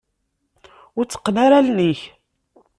Ur tteqqen ara allen-ik.